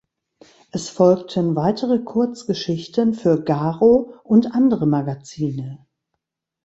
Es folgten weitere Kurzgeschichten für "Garo" und andere Magazine.